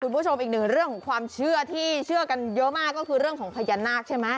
คุณผู้ชมอีกหนึ่งเรื่องของความเชื่อที่เชื่อกันเยอะมากก็คือเรื่องของพญานาคใช่ไหม